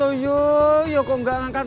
apakah tuhan warnanya nyandar